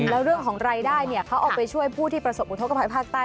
แล้วเรื่องของรายได้เขาเอาไปช่วยผู้ที่ประสบอุทธกภัยภาคใต้